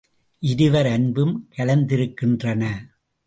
இருவர் அன்பும் கலந்திருக்கின்றன.